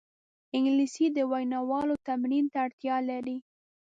انګلیسي د ویناوالو تمرین ته اړتیا لري